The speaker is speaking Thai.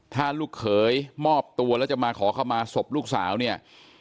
ถ้าลูกเขยมอบตัวแล้วจะมาขอเข้ามาศพลูกสาวเนี่ย